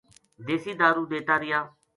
دیسی دارُو دیتا رہیا